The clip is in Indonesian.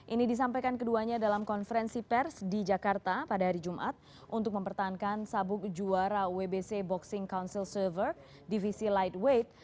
ini disampaikan keduanya dalam konferensi pers di jakarta pada hari jumat untuk mempertahankan sabuk juara wbc boxing council server divisi lightweight